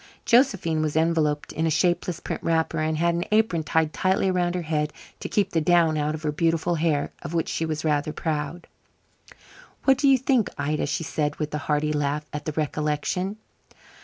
Josephine was enveloped in a shapeless print wrapper, and had an apron tied tightly around her head to keep the down out of her beautiful hair, of which she was rather proud. "What do you think, Ida?" she said, with a hearty laugh at the recollection.